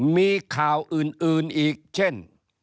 มีข่าวอื่นอีกเช่น